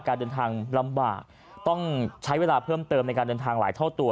การเดินทางลำบากต้องใช้เวลาเพิ่มเติมในการเดินทางหลายเท่าตัว